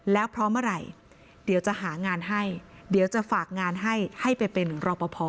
แล้วพร้อมเมื่อไหร่เดี๋ยวจะหางานให้เดี๋ยวจะฝากงานให้ให้ไปเป็นรอปภ